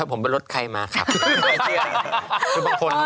ผมไปรถใครมาขับ